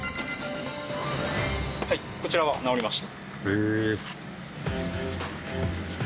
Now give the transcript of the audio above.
はいこちらは直りました。